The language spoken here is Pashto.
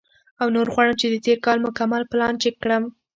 او نور غواړم چې د تېر کال مکمل پلان چیک کړم،